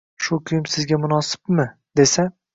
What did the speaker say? shu kiyim sizga munosibmi? – desa.